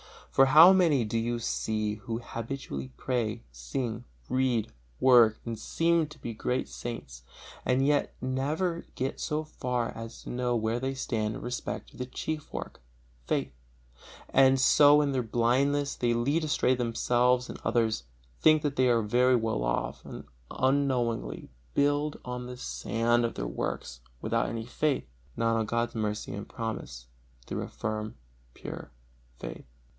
For how many do you see who habitually pray, sing, read, work and seem to be great saints, and yet never get so far as to know where they stand in respect of the chief work, faith; and so in their blindness they lead astray themselves and others; think they are very well off, and so unknowingly build on the sand of their works without any faith, not on God's mercy and promise through a firm, pure faith.